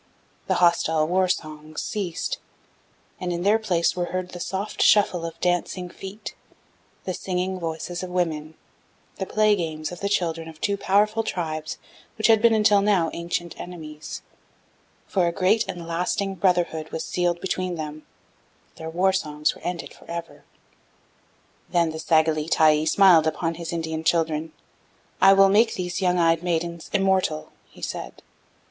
The hostile war songs ceased, and in their place were heard the soft shuffle of dancing feet, the singing voices of women, the play games of the children of two powerful tribes which had been until now ancient enemies, for a great and lasting brotherhood was sealed between them their war songs were ended forever. "Then the Sagalie Tyee smiled on His Indian children: 'I will make these young eyed maidens immortal,' He said.